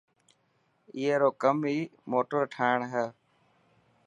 اي رو ڪم ئي موٽر ٺاهڻ هي.